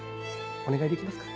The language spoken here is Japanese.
お願いできますか？